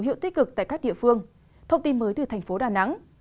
hiệu tích cực tại các địa phương thông tin mới từ thành phố đà nẵng